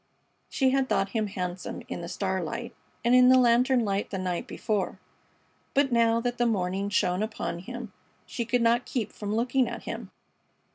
She had thought him handsome in the starlight and in the lantern light the night before, but now that the morning shone upon him she could not keep from looking at him.